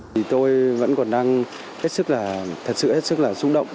thì tôi vẫn còn đang hết sức là thật sự hết sức là xúc động